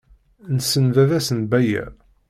Nessen baba-s n Baya.